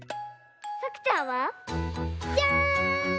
さくちゃんは？じゃん！